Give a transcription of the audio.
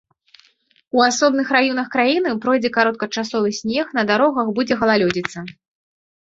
У асобных раёнах краіны пройдзе кароткачасовы снег, на дарогах будзе галалёдзіца.